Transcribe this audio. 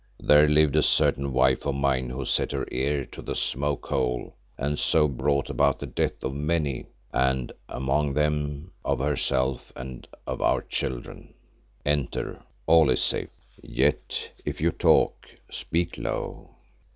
There lived a certain wife of mine who set her ear to the smoke hole and so brought about the death of many, and among them of herself and of our children. Enter. All is safe. Yet if you talk, speak low."